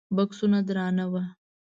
بکسونه درانه وو.